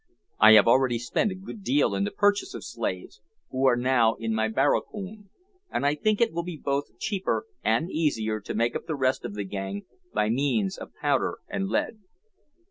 I have already spent a good deal in the purchase of slaves, who are now in my barracoon, and I think it will be both cheaper and easier to make up the rest of the gang by means of powder and lead."